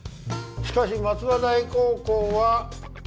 しかし松葉台高校は？